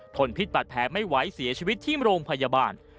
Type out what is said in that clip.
พิษบัตรแผลไม่ไหวเสียชีวิตที่โรงพยาบาล